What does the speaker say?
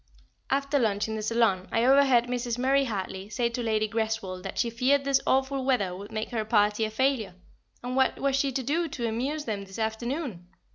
After lunch in the saloon I overheard Mrs. Murray Hartley say to Lady Greswold that she feared this awful weather would make her party a failure, and what was she to do to amuse them this afternoon?